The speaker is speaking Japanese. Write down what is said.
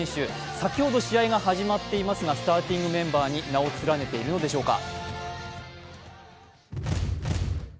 先ほど試合が始まっていますがスターティングメンバーに名を連ねているのでしょうか。